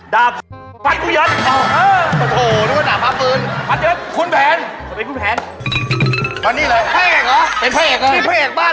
ดาปฟ้าฟื้น